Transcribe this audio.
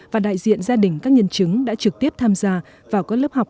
và đại diện gia đình các nhân chứng đã trực tiếp tham gia vào các lớp học